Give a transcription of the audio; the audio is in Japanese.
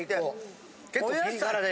結構ピリ辛で！